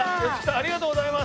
ありがとうございます。